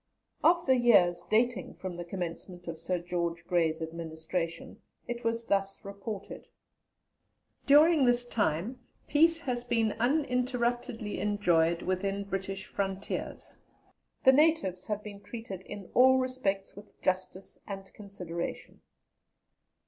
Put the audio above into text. Of the years dating from the commencement of Sir George Grey's administration, it was thus reported: "During this time peace has been uninterruptedly enjoyed within British frontiers. The natives have been treated in all respects with justice and consideration.